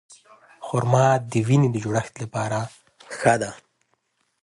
خرما د وینې د جوړښت لپاره ښه ده.